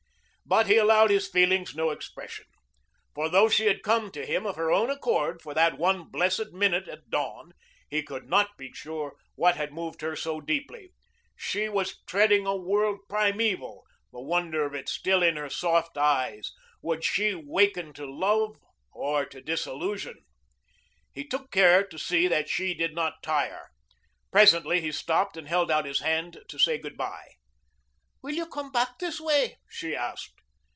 But he allowed his feelings no expression. For though she had come to him of her own accord for that one blessed minute at dawn, he could not be sure what had moved her so deeply. She was treading a world primeval, the wonder of it still in her soft eyes. Would she waken to love or to disillusion? He took care to see that she did not tire. Presently he stopped and held out his hand to say good bye. "Will you come back this way?" she asked.